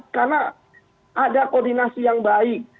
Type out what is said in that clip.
karena ada koordinasi yang baik